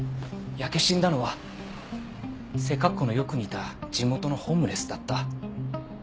焼け死んだのは背格好のよく似た地元のホームレスだった。